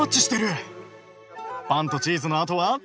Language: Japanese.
パンとチーズのあとは？